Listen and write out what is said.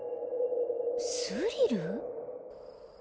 スリル？